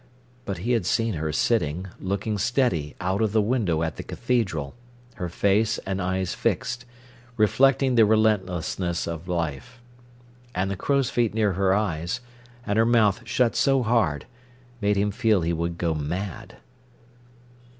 But he had seen her sitting, looking steady out of the window at the cathedral, her face and eyes fixed, reflecting the relentlessness of life. And the crow's feet near her eyes, and her mouth shut so hard, made him feel he would go mad.